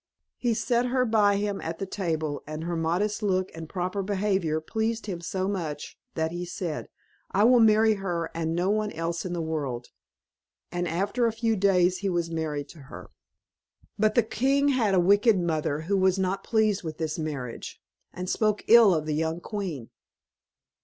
He set her by him at the table, and her modest look and proper behaviour pleased him so much, that he said, "I will marry her, and no one else in the world," and after a few days he was married to her. But the king had a wicked mother, who was not pleased with this marriage, and spoke ill of the young queen.